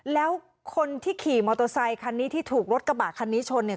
แล้วคนที่ขี่มอเตอร์ไซคันนี้ที่ถูกรถกระบะคันนี้ชนเนี่ย